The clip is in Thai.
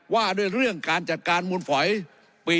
ว่าด้วยเรื่องการจัดการมูลฝอยปี